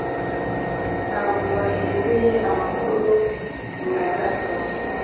Ntabwo wahinduye amakuru na gato